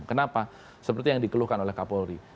kenapa seperti yang dikeluhkan oleh kapolri